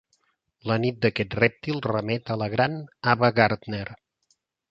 La nit d'aquest rèptil remet a la gran Ava Gardner.